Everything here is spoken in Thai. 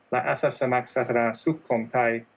และอาศัยสมัครสถานาศุกร์ของไทย